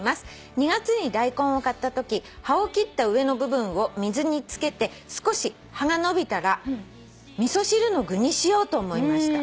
「２月にダイコンを買ったとき葉を切った上の部分を水に漬けて少し葉が伸びたら味噌汁の具にしようと思いました」